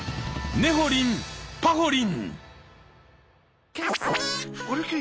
「ねほりんぱほりん」